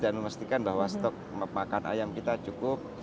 dan memastikan bahwa stok makan ayam kita cukup